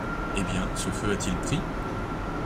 Eh bien, ce feu a-t-il pris ?